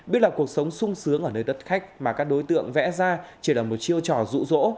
biết là cuộc sống sung sướng ở nơi đất khách mà các đối tượng vẽ ra chỉ là một chiêu trò rụ rỗ